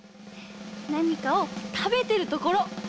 なにかをたべてるところ。